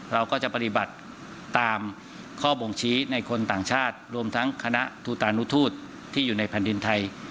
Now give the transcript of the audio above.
เราก็จะปฏิบัติตามข้อบ่งชี้ในคนต่างชาติรวมทั้งคณะทูตานุทูตที่อยู่ในแผ่นดินไทย